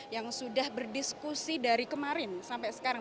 yang sudah berdiskusi dari kemarin sampai sekarang